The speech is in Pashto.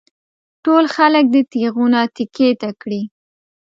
ټول خلک دې تېغونه تېکې ته کړي.